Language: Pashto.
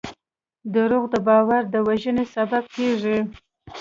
دروغ د باور د وژنې سبب کېږي.